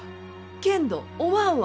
けんどおまんは。